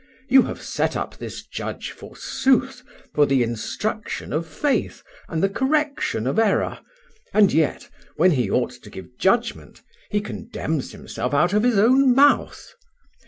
You have set up this judge, forsooth, for the instruction of faith and the correction of error, and yet, when he ought to give judgment, he condemns himself out of his own mouth.